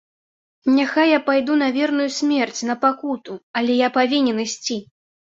Няхай я пайду на верную смерць, на пакуту, але я павінен ісці!